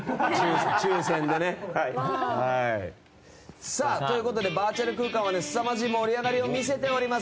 抽選でね。ということでバーチャル空間はすさまじい盛り上がりを見せています。